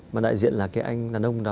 mà đại diện là cái anh đàn ông đó